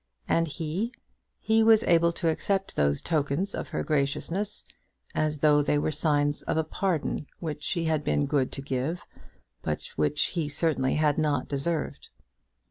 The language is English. And he, he was able to accept these tokens of her graciousness, as though they were signs of a pardon which she had been good to give, but which he certainly had not deserved.